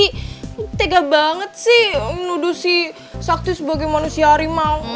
kau tega sekali menuduh sakti sebagai manusia harimau